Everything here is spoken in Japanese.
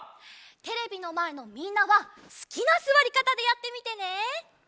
テレビのまえのみんながすきなすわりかたでやってみてね！